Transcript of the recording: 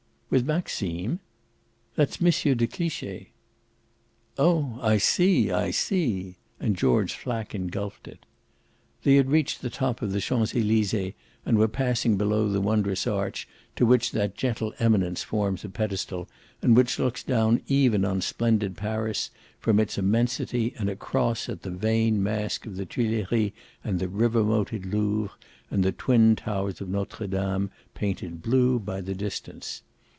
"With Maxime?" "That's M. de Cliche." "Oh I see I see!" and George Flack engulfed it. They had reached the top of the Champs Elysees and were passing below the wondrous arch to which that gentle eminence forms a pedestal and which looks down even on splendid Paris from its immensity and across at the vain mask of the Tuileries and the river moated Louvre and the twin towers of Notre Dame painted blue by the distance.